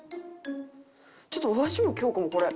ちょっとわしも京子もこれ。